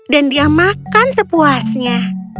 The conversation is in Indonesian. dan dia makan sepuasnya